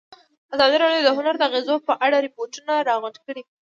ازادي راډیو د هنر د اغېزو په اړه ریپوټونه راغونډ کړي.